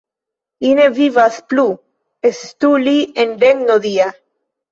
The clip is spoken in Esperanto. Li ne vivas plu, estu li en regno Dia!